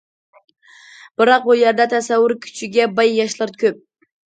بىراق، بۇ يەردە تەسەۋۋۇر كۈچىگە باي ياشلار كۆپ.